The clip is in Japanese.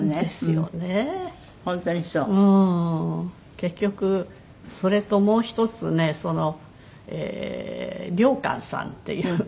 結局それともう１つね良寛さんっていう江戸時代の。